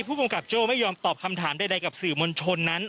ผู้กำกับโจ้ไม่ยอมตอบคำถามใดกับสื่อมวลชนนั้น